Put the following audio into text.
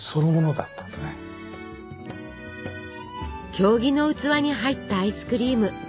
経木の器に入ったアイスクリーム。